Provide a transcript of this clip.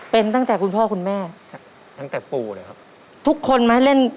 เป็นตั้งแต่คุณพ่อคุณแม่ตั้งแต่ปู่เลยครับทุกคนไหมเล่น